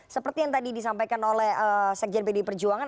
seperti yang tadi disampaikan oleh sekjian bd perjuangan